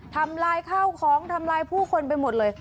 ทำลายข้าวของทำลายผู้คนไปหมดเลย